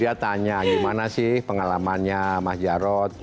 dia tanya gimana sih pengalamannya mas jarod